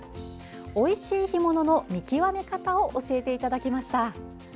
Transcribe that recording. おいしい干物の見極め方を教えていただきました。